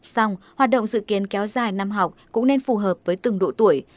xong hoạt động dự kiến kéo dài năm học cũng nên phù hợp với từng độ tuổi